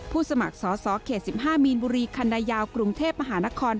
ผู้สมัครสข๑๕มีนบุรีคัณะยาวกรุงเทพมหานคร